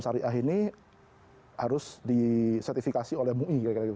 syariah ini harus disertifikasi oleh mui